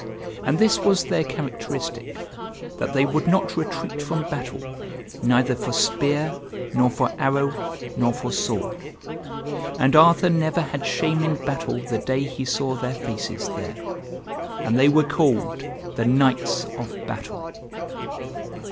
And this was their characteristic that they would not retreat from battle, neither for spear, nor for arrow, nor for sword. And Arthur never had shame in battle the day he saw their faces there. And they were called the Knights of Battle."